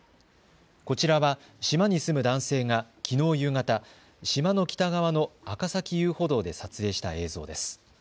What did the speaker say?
こちらは島に住む男性がきのう夕方、島の北側の赤崎遊歩道で撮影した映像です。